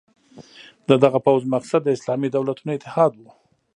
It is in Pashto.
د دغه پوځ مقصد د اسلامي دولتونو اتحاد وو.